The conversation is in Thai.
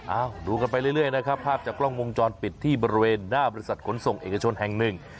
ดูกันไปเรื่อยนะครับภาพจากกล้องวงจรปิดที่บริเวณหน้าบริษัทขนส่งเอกชนแห่งหนึ่ง